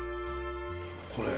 これ。